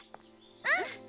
うん。